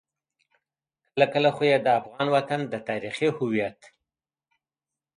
کله کله خو يې د افغان وطن د تاريخي هويت.